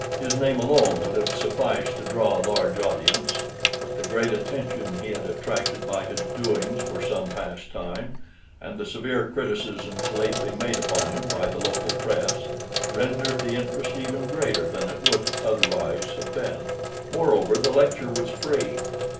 His name alone would have sufficed to draw a large audience, but the great attention he had attracted by his doings for some time past, and the severe criticisms lately made upon him by the local press, rendered the interest even greater than it would otherwise have been. Moreover, the lecture was free.